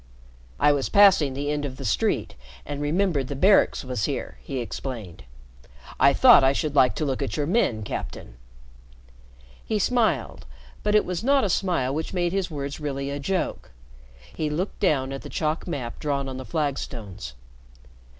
"I was passing the end of the street and remembered the Barracks was here," he explained. "I thought I should like to look at your men, Captain." He smiled, but it was not a smile which made his words really a joke. He looked down at the chalk map drawn on the flagstones.